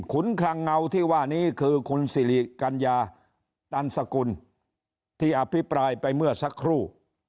คลังเงาที่ว่านี้คือคุณสิริกัญญาตันสกุลที่อภิปรายไปเมื่อสักครู่